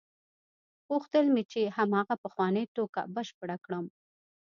غوښتل مې چې هماغه پخوانۍ ټوکه بشپړه کړم.